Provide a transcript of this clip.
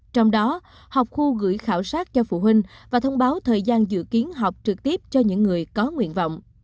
trong đó học khu gửi khảo sát cho phụ huynh và thông báo thời gian dự kiến học trực tiếp cho những người có nguyện vọng